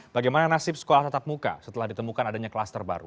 bagaimana nasib sekolah tatap muka setelah ditemukan adanya kluster baru